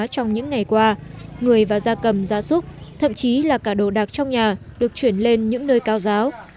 trong những ngày qua người và da cầm da súc thậm chí là cả đồ đạc trong nhà được chuyển lên những nơi cao giáo